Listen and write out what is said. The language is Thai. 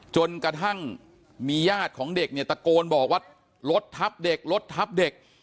จนกระทั่งมีญาติของเด็กเนี่ยตะโกนบอกว่ารถทับเด็กรถทับเด็ก